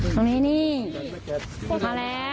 อ๋อพูดเลย